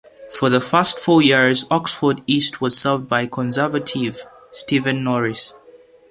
For the first four years Oxford East was served by Conservative Steven Norris.